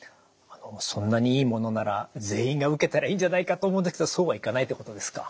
そんなにいいものなら全員が受けたらいいんじゃないかと思うんですけどそうはいかないってことですか？